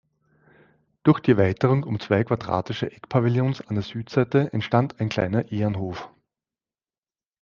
Durch die Erweiterung um zwei quadratischen Eckpavillons an der Südseite entstand ein kleiner Ehrenhof.